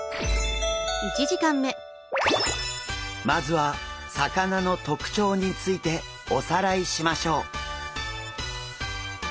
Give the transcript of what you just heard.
まずは魚の特徴についておさらいしましょう！